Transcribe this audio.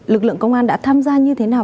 lực lượng công an đã tham gia như thế nào